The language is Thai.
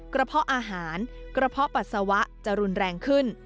เพาะอาหารกระเพาะปัสสาวะจะรุนแรงขึ้น